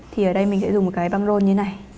thì ở đây mình sẽ dùng một cái băng rôn như này